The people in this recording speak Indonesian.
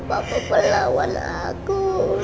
bapak pelawalah aku